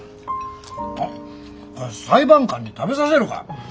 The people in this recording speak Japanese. あっ裁判官に食べさせるか？